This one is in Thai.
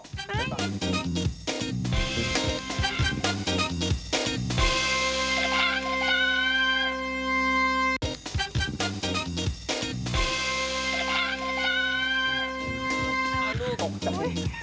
อ้าวลูกอุ๊ย